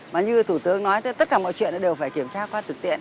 mà như thủ tướng nói tất cả mọi chuyện đều phải kiểm tra qua thực tiện